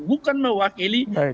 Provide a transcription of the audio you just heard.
bukan mewakili partai politik